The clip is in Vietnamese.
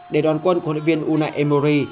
để đoàn quân của lễ viên unai emery